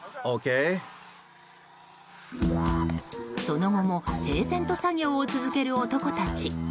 その後も平然と作業を続ける男たち。